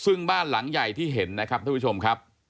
ซึ่งบ้านหลังใหญ่ที่เห็นนะครับท่านผู้ชมครับ